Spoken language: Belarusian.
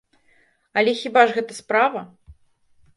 Але хіба ж гэта справа?